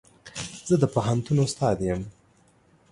زه د پوهنتون استاد يم.